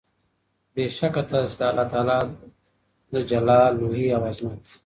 بې شکه تاسي چې د الله تعالی د جلال، لوئي او عظمت